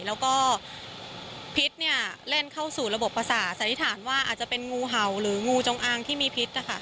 แล้วก็พิษเนี่ยเล่นเข้าสู่ระบบประสาทสันนิษฐานว่าอาจจะเป็นงูเห่าหรืองูจงอางที่มีพิษนะคะ